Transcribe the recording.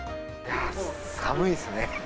寒いっすね。